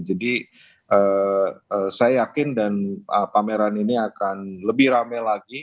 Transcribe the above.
jadi saya yakin dan pameran ini akan lebih ramai lagi